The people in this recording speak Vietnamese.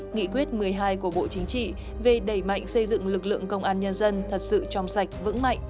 nghị quyết một mươi hai của bộ chính trị về đẩy mạnh xây dựng lực lượng công an nhân dân thật sự trong sạch vững mạnh